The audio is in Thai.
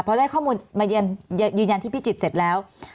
พอได้ข้อมูลมายืนยันที่พิจิตรเสร็จแล้ว